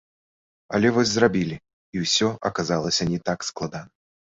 Але вось зрабілі, і ўсё аказалася не так складана.